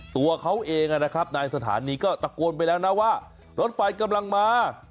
ตัวเขาเองนะครับนายสถานีก็ตะโกนไปแล้วนะว่ารถไฟกำลังมา